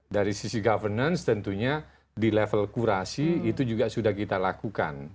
dari sisi governance tentunya di level kurasi itu juga sudah kita lakukan